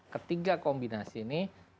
ketiga kombinasi ini